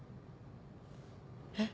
えっ？